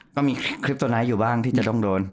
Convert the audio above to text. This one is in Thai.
ะก็มีคริปโตน้อยที่บ้างที่จะต้องโดน